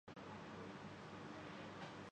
قانونی فیصلہ صادر کرتا ہے